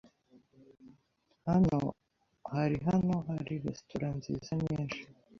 Hano hari hano hari resitora nziza nyinshi.